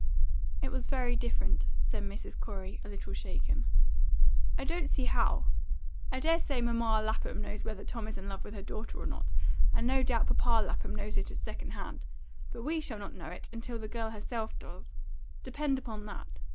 "It was very different," said Mrs. Corey, a little shaken. "I don't see how. I dare say Mamma Lapham knows whether Tom is in love with her daughter or not; and no doubt Papa Lapham knows it at second hand. But we shall not know it until the girl herself does. Depend upon that.